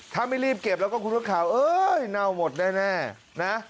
ถ้าไม่รีบเก็บแล้วก็คุณนักข่าวเอ้ยเน่าหมดแน่นะ